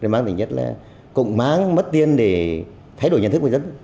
bán tỉnh nhất là cụng máng mất tiền để thay đổi nhận thức của người dân